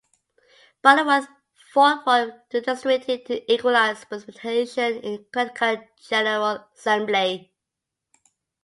Butterworth fought for redistricting to equalize representation in the Connecticut General Assembly.